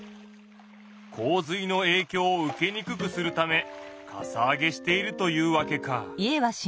洪水のえいきょうを受けにくくするためかさ上げしているというわけか。